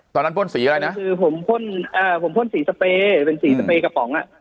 พ่นสีอะไรนะคือผมพ่นอ่าผมพ่นสีสเปย์เป็นสีสเปย์กระป๋องอ่ะ